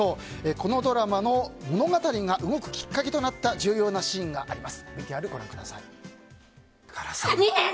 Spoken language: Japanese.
このドラマの物語が動くきっかけとなった重要なシーンがあります。